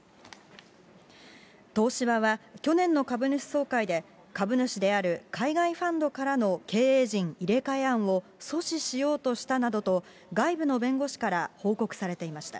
東芝は去年の株主総会で、株主である海外ファンドからの経営陣入れ替え案を阻止しようとしたなどと、外部の弁護士から報告されていました。